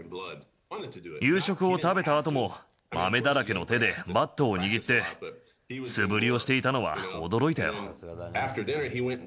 夕食を食べたあとも、まめだらけの手でバットを握って、素振りをしていたのは驚いたよ。